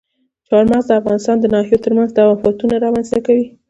چار مغز د افغانستان د ناحیو ترمنځ تفاوتونه رامنځ ته کوي.